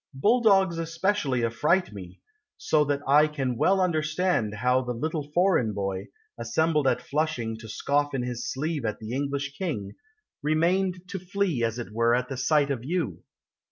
Bulldogs especially Affright me, So that I can well understand How the little foreign boy, Assembled at Flushing To scoff in his sleeve at the English King, Remained to flee as it were At the sight of you.